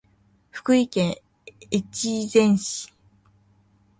福井県越前市